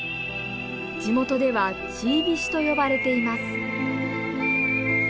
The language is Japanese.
地元では「チービシ」と呼ばれています。